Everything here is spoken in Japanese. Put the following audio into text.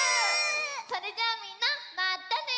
それじゃあみんなまたね！